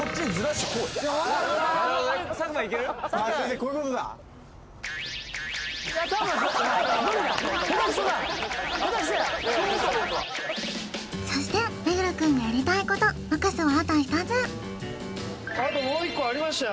こういうことだ無理だそして目黒くんがやりたいこと残すはあと１つあともう一個ありましたよ